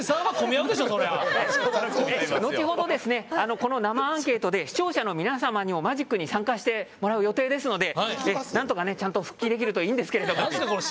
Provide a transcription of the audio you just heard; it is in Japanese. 後ほど、この生アンケートで視聴者の皆様にもマジックに参加してもらう予定ですのでなんとか、ちゃんと復帰できるといいんですけど。